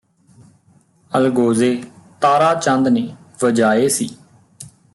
ਅਲਗੋਜ਼ੇ ਤਾਰਾ ਚੰਦ ਨੇ ਵਜਾਏ ਸੀ